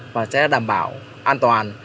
và sẽ đảm bảo an toàn